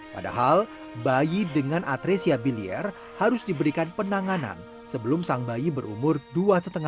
padahal bayi dengan atresia bilier harus diberikan penanganan sebelum sang bayi berumur dua lima tahun